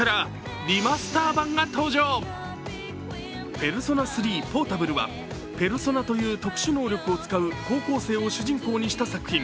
「ペルソナ３ポータブル」はペルソナという特殊能力を使う高校生を主人公にした作品。